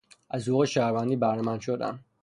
از حقوق شهروندی بهره مند شدن